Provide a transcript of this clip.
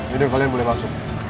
yaudah kalian boleh masuk